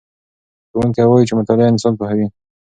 ښوونکی وایي چې مطالعه انسان پوهوي.